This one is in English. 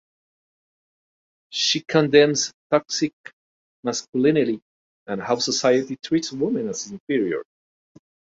She condemns toxic masculinity and how society treats women as inferior.